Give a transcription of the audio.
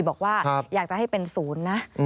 บอกว่าอยากจะให้เป็นศูนย์นะ